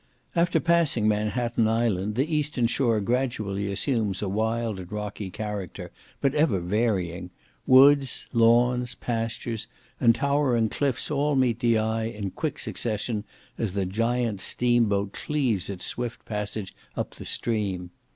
After passing Manhatten Island, the eastern shore gradually assumes a wild and rocky character, but ever varying; woods, lawns, pastures, and towering cliffs all meet the eye in quick succession, as the giant steam boat cleaves its swift passage up the stream.